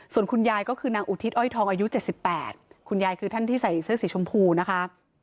ส่วนคุณยายก็คือนางอุทิศอ้อยทองอายุ๗๘คุณยายคือท่านที่ใส่เสื้อสีชมพูนะคะ